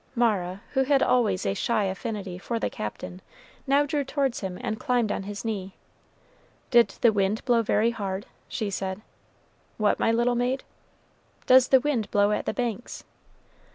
Mara, who had always a shy affinity for the Captain, now drew towards him and climbed on his knee. "Did the wind blow very hard?" she said. "What, my little maid?" "Does the wind blow at the Banks?"